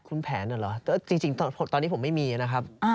คุณแผนน่ะเหรอจริงตอนนี้ผมไม่มีนะครับ